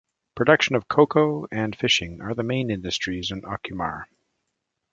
Production of cocoa and fishing are the main industries in Ocumare.